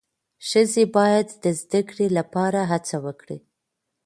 ښځې باید د زدهکړې لپاره هڅه وکړي.